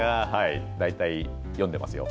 大体読んでいますよ。